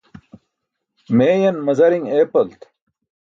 Meeyan mazari̇ṅ eepalt.